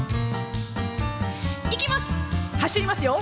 いきます！